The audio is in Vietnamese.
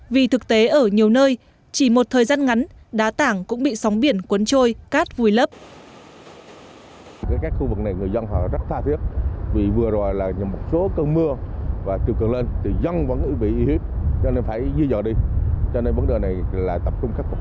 vì thực tế ở nhiều nơi chỉ một thời gian ngắn đá tảng cũng bị sóng biển cuốn trôi cát vùi lấp